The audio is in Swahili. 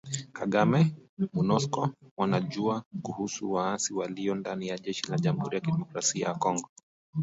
Kagame, Monusco , wanajua kuhusu waasi walio ndani ya jeshi la Jamuhuri ya Kidemokrasia ya Kongo